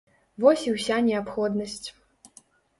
Вось і ўся неабходнасць.